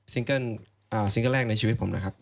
ซิงเกิลแรกในชีวิตผม